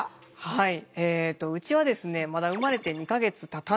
はい。